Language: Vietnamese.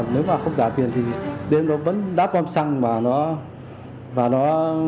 nếu mà không trả tiền thì đêm đó vẫn đát bom xăng và nó